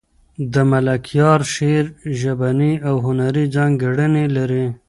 د ملکیار شعر ژبنۍ او هنري ځانګړنې لري.